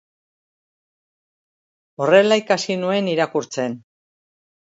Horrela ikasi nuen irakurtzen.